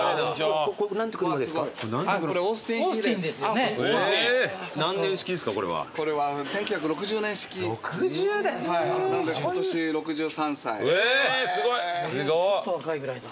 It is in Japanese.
俺よりちょっと若いぐらいだ。